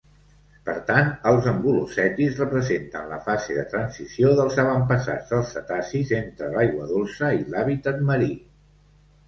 Per tant, els ambulocètids representen la fase de transició dels avantpassats dels cetacis entre l'aigua dolça i l'hàbitat marí.